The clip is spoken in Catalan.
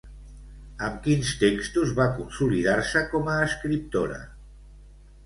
Amb quins textos va consolidar-se com a escriptora?